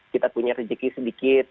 kita punya rejeki sedikit